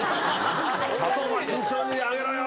砂糖は慎重に上げろよ。